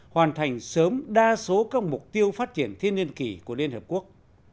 hoàn thành sớm đa số các mục tiêu phát triển thiên niên kỷ của liên hợp quốc